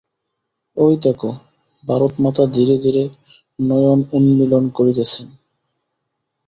ঐ দেখ, ভারতমাতা ধীরে ধীরে নয়ন উন্মীলন করিতেছেন।